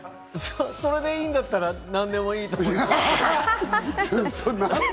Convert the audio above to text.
それでいいんだったら何でもいいと思いますが。